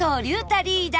リーダー！